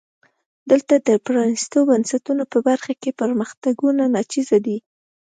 دلته د پرانیستو بنسټونو په برخه کې پرمختګونه ناچیزه دي.